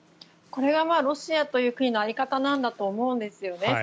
これはロシアという国の在り方なんだと思うんですよね。